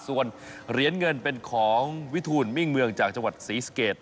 ส่วนเหรียญเงินเป็นของวิทูลมิ่งเมืองจากจังหวัดศรีสเกต